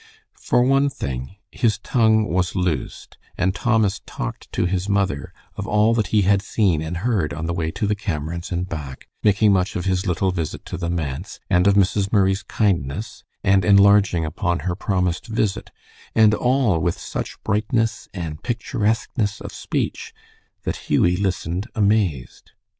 For one thing his tongue was loosed, and Thomas talked to his mother of all that he had seen and heard on the way to the Cameron's and back, making much of his little visit to the manse, and of Mrs. Murray's kindness, and enlarging upon her promised visit, and all with such brightness and picturesqueness of speech that Hughie listened amazed.